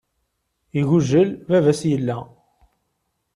Iggujel, baba-s illa.